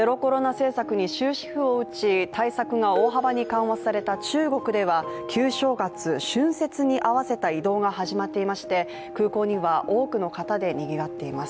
政策に終止符を打ち対策が大幅に緩和された中国では旧正月・春節に合わせた移動が始まっていまして空港は多くの方でにぎわっています。